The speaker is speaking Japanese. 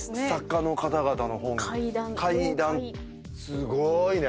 すごいね。